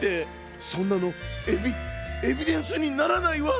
そんなのエビエビデンスにならないわ！